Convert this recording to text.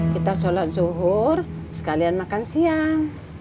kita sholat zuhur sekalian makan siang